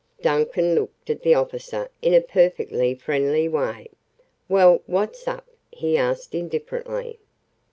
Duncan looked at the officer in a perfectly friendly way. "Well, what's up?" he asked indifferently.